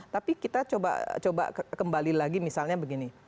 tapi kita coba kembali lagi misalnya begini